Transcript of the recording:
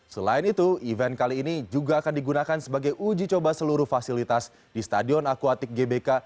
selain itu event kali ini juga akan digunakan sebagai uji coba seluruh fasilitas di stadion aquatik gbk